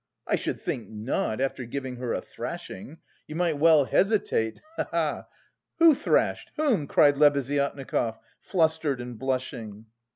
"I should think not, after giving her a thrashing! You might well hesitate, he he!" "Who thrashed? Whom?" cried Lebeziatnikov, flustered and blushing.